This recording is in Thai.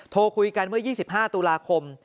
โทรคุยกันเมื่อ๒๕ตุลาคม